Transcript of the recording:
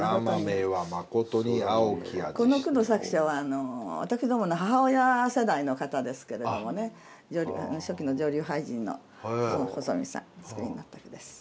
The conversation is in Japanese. この句の作者は私どもの母親世代の方ですけれどもね初期の女流俳人の細見さんお作りになった句です。